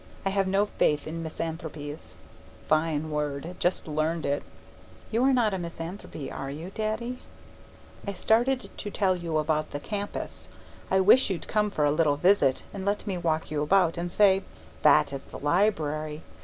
I have no faith in misanthropes. (Fine word! Just learned it.) You are not a misanthrope are you, Daddy? I started to tell you about the campus. I wish you'd come for a little visit and let me walk you about and say: 'That is the library.